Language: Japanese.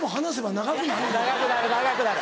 長くなる長くなる。